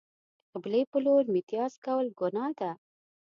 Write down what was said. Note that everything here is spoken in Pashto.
د قبلې په لور میتیاز کول گناه ده.